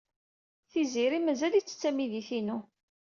Tiziri mazal-itt d tamidit-inu.